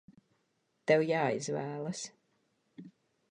Tev jāizvēlas!